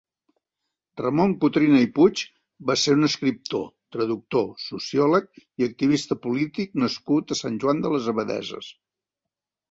Ramon Cotrina i Puig va ser un escriptor, traductor, sociòleg i activista polític nascut a Sant Joan de les Abadesses.